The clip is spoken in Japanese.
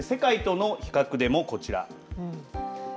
世界との比較でもこちら。